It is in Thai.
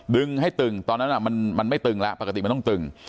ดึงให้ตึงตอนนั้นมันไม่ตึงแล้วปกติมันต้องตึง